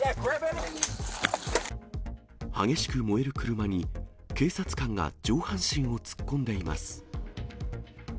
激しく燃える車に、警察官が上半身を突っ込んでいます。